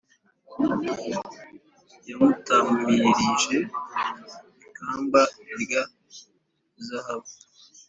yamutamirije ikamba rya zahabu,